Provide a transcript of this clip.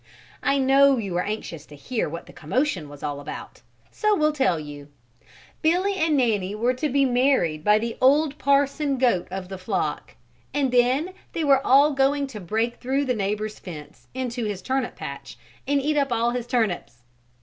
I know you are anxious to hear what the commotion was all about, so will tell you. Billy and Nanny were to be married by the old parson goat of the flock, and then they were all going to break through the neighbor's fence into his turnip patch and eat up all his turnips.